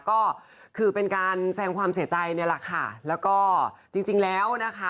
ก็คือเป็นการแสงความเสียใจเนี่ยแหละค่ะแล้วก็จริงจริงแล้วนะคะ